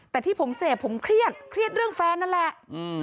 แต่ที่ผมเสพผมเครียดเครียดเรื่องแฟนนั่นแหละ